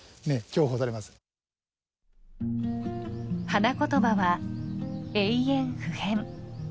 花言葉は「永遠不変」。